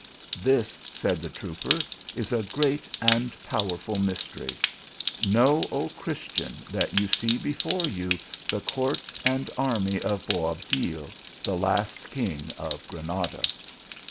" This, said the trooper, is a great and pow erful mystery. Know, O Christian, that you see be fore you the court and army of Boabdil, the last king of Granada.